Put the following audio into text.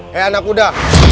hei anak kuda